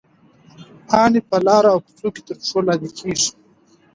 پاڼې په لارو او کوڅو کې تر پښو لاندې کېږي.